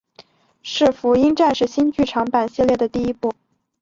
是福音战士新剧场版系列的第一部。